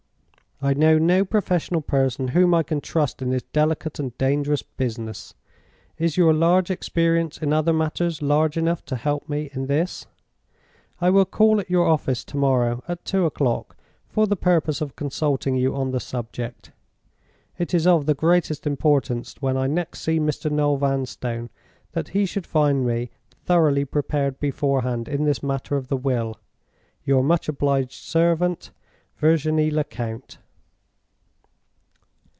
I know no professional person whom I can trust in this delicate and dangerous business. Is your large experience in other matters large enough to help me in this? I will call at your office to morrow at two o'clock, for the purpose of consulting you on the subject. It is of the greatest importance, when I next see Mr. Noel Vanstone, that he should find me thoroughly prepared beforehand in this matter of the will. "Your much obliged servant, "VIRGINIE LECOUNT."